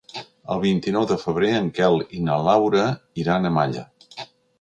El vint-i-nou de febrer en Quel i na Laura iran a Malla.